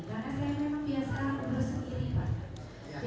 karena saya memang biasa berusaha sendiri pak